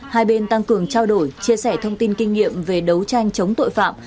hai bên tăng cường trao đổi chia sẻ thông tin kinh nghiệm về đấu tranh chống tội phạm